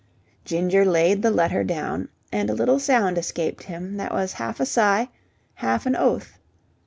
Ginger laid the letter down, and a little sound escaped him that was half a sigh, half an oath.